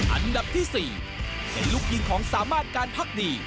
อันดับที่๔เป็นลูกยิงของสามารถการพักดี